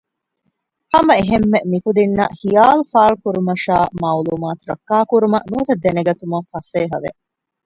ހަމައެހެންމެ މިކުދިންނަށް ޚިޔާލުފާޅުކުރުމަށާއި މަޢުލޫމާތު ރައްކާކުރުމަށް ނުވަތަ ދެނެގަތުމަށް ފަސޭހަވެ